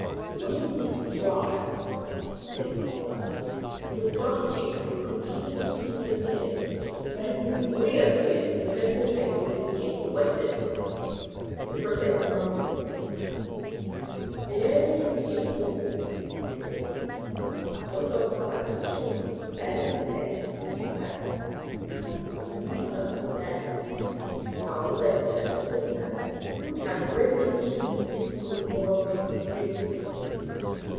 "When this dries," said Thorndyke, "the writing will completely disappear, but it will reappear whenever the paper is again wetted." The Professor nodded. "Very ingenious," said he "a sort of artificial palimpsest, in fact. But I do not understand how that illiterate man could have written in the difficult Moabite script."